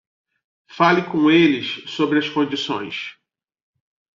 Fale com eles sobre as condições